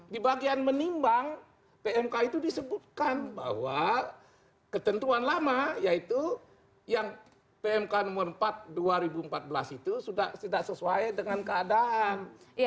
di bagian menimbang pmk itu disebutkan bahwa ketentuan lama yaitu yang pmk nomor empat dua ribu empat belas itu sudah tidak sesuai dengan keadaan